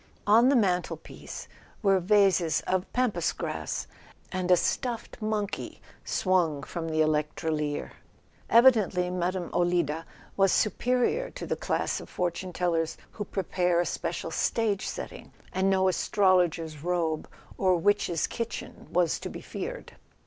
On the mantelpiece were vases of Pampas grass, and a stuffed monkey swung from the electrolier. Evidently Mme. Olida was superior to the class of fortune tellers who prepare a special stage setting, and no astrologer's robe or witch's kitchen was to be feared.